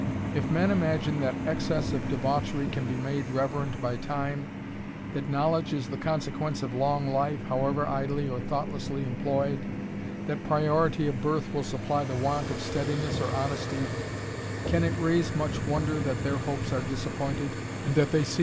If men imagine that excess of debauchery can be made reverend by time, that knowledge is the consequence of long life, however idly or thoughtlessly employed, that priority of birth will supply the want of steadiness or honesty, can it raise much wonder that their hopes are disappointed, and that they see